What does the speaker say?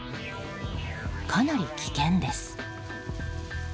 かなり危険です。